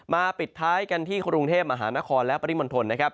ปิดท้ายกันที่กรุงเทพมหานครและปริมณฑลนะครับ